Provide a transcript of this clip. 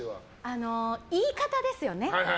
言い方ですよね。